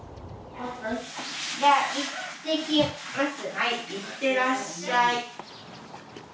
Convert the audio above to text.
はい行ってらっしゃい。